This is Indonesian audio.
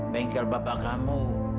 bengkel bapak kamu